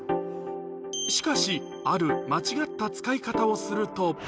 しかし、ある間違った使い方をすると。